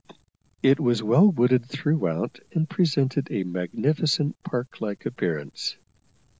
It was well wooded throughout, and presented a magnificent park like appearance.